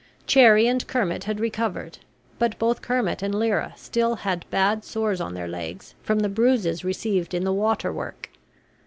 Cherrie and Kermit had recovered; but both Kermit and Lyra still had bad sores on their legs, from the bruises received in the water work.